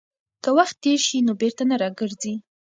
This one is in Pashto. که وخت تېر شي نو بېرته نه راګرځي.